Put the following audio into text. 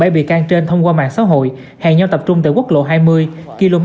bảy bị can trên thông qua mạng xã hội hẹn nhau tập trung tại quốc lộ hai mươi km hai mươi bảy